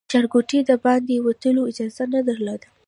له ښارګوټي د باندې وتلو اجازه نه درلوده.